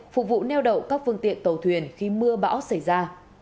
phục vụ neo đậu các phương tiện tàu thuyền khi mưa bão xảy ra